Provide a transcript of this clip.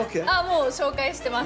もう紹介してます。